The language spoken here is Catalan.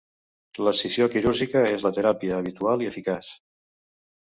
L'escissió quirúrgica és la teràpia habitual i eficaç.